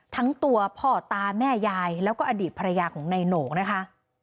ทั้งตัวพ่อตาแม่ยายแล้วก็อดีตภรรยาของนายโหน่งนะคะ